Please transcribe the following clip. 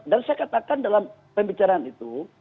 dan saya katakan dalam pembicaraan itu